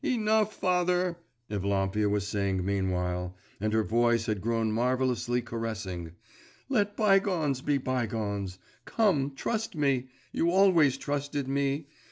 'Enough, father,' Evlampia was saying meanwhile, and her voice had grown marvellously caressing, 'let bygones be bygones. Come, trust me; you always trusted me.